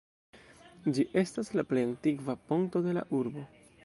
Ĝi estas la plej antikva ponto de la urbo.